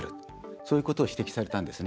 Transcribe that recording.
そういうことが指摘されたんです。